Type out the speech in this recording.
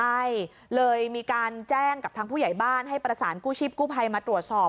ใช่เลยมีการแจ้งกับทางผู้ใหญ่บ้านให้ประสานกู้ชีพกู้ภัยมาตรวจสอบ